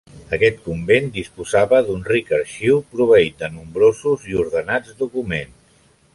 Aquest convent disposava d'un ric arxiu, proveït de nombrosos i ordenats documents.